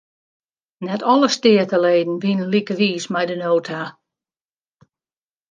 Net alle steateleden wienen like wiis mei de nota.